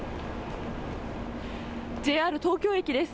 ＪＲ東京駅です。